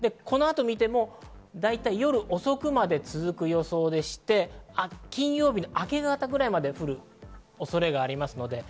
この後を見ても夜遅くまで続く予想でして、金曜日の明け方くらいまで降る恐れがあります。